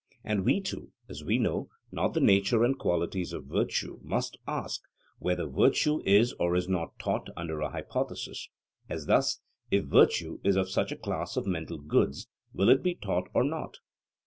And we too, as we know not the nature and qualities of virtue, must ask, whether virtue is or is not taught, under a hypothesis: as thus, if virtue is of such a class of mental goods, will it be taught or not?